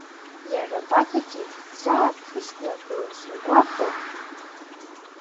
Иара Бақагьы дзаԥышьклаҳәуеи зугәахәуа?